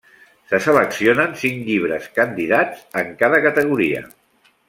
Se seleccionen cinc llibres candidats en cada categoria.